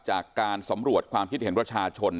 จากการสำรวจความคิดเห็นประชาชน